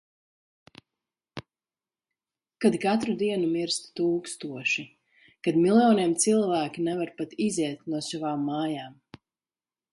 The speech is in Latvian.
Kad katru dienu mirst tūkstoši. Kad miljoniem cilvēki nevar pat iziet no savām mājām.